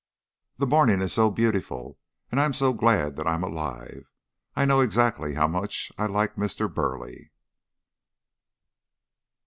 "The morning is so beautiful and I am so glad that I am alive. I know exactly how much I like Mr. Burleigh."